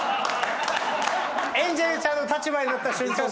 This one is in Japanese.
エンジェルちゃんの立場になった瞬間